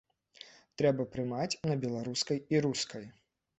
Трэба прымаць на беларускай і рускай!